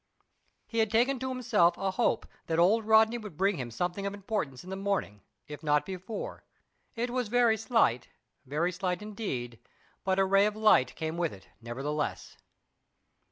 He had taken to himself a hope that old Rodney would bring him something of importance in the morning, if not before. It was very slight very slight indeed; but a ray of light came with it, nevertheless.